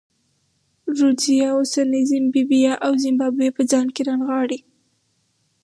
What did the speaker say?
رودزیا اوسنۍ زیمبیا او زیمبابوې په ځان کې رانغاړي.